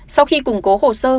sau khi củng cố hồ sơ